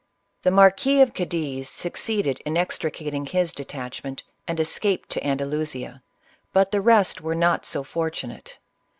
The Marquis of Cadiz succeeded in extricating his detatchment and escaped to Andalusia, but the rest were not so fortunate.